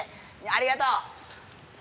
ありがとう。